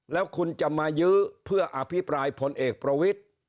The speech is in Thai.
แล้วคุณจะมายื้อเพื่ออภิปรายพลเอกประวิทธิ์